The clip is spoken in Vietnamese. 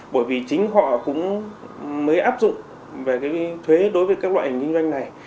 bởi vì chính họ cũng mới áp dụng về cái thuế đối với các loại hình kinh doanh này